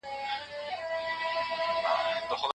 ايا انتقاد د علم اساس دی؟